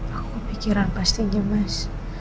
aku kepikiran pastinya mas